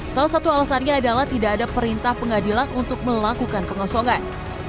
salah satu alasannya adalah tidak ada perintah pengadilan untuk melakukan pengosongan